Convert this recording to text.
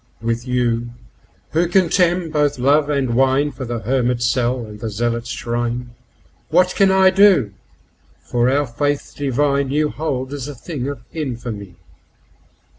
With you, who contemn both love and wine2 for the hermit's cell and the zealot's shrine, What can I do, for our Faith divine you hold as a thing of infamy?